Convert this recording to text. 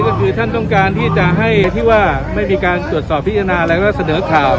ก็คือท่านต้องการที่จะให้ที่ว่าไม่มีการตรวจสอบพิจารณาอะไรก็เสนอข่าว